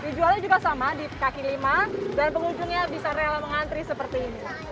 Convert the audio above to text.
kaki lima juga diperlukan dan pengunjungnya bisa mengantri seperti ini